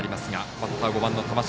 バッター、５番の玉城。